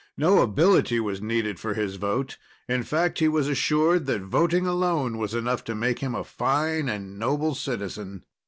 No ability was needed for his vote. In fact, he was assured that voting alone was enough to make him a fine and noble citizen.